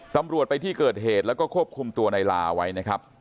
ตำรวจไปที่เกิดเหตุแล้วก็ควบคุมตัวในลาไว้นะครับ